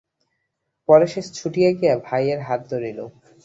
পরে সে ছুটিয়া গিয়া ভাইয়ের হাত ধরিল।